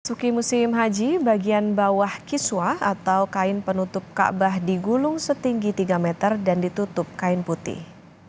masuki musim haji bagian bawah kiswa atau kain penutup kaabah digulung setinggi tiga meter dan ditutup kain putih